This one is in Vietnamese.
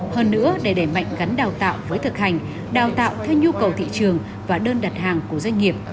hơn nữa để đẩy mạnh gắn đào tạo với thực hành đào tạo theo nhu cầu thị trường và đơn đặt hàng của doanh nghiệp